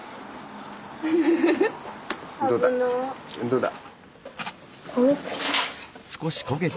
どうだ？